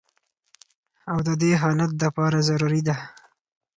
او د دې حالت د پاره ضروري ده